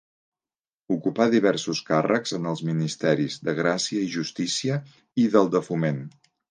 Ocupà diversos càrrecs en els ministeris de Gràcia i Justícia i del de Foment.